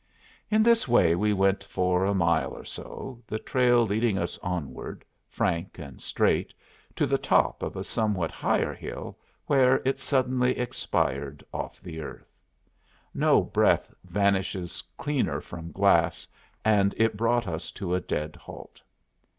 In this way we went for a mile or so, the trail leading us onward, frank and straight, to the top of a somewhat higher hill, where it suddenly expired off the earth. No breath vanishes cleaner from glass, and it brought us to a dead halt.